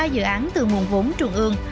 ba dự án từ nguồn vốn trường ương